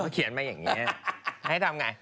เขียนมาอย่างนี้ให้ทำไง